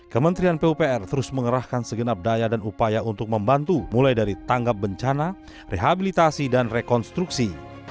kementerian pupr terus mengerahkan segenap daya dan upaya untuk membantu mulai dari tanggap bencana rehabilitasi dan rekonstruksi